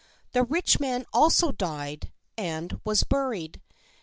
The rich man also died and was buried.